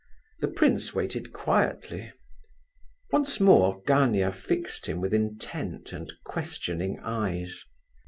The prince waited quietly. Once more Gania fixed him with intent and questioning eyes.